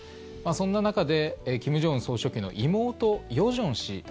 そんな中で金正恩総書記の妹・与正氏。